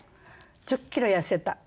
１０キロ痩せた。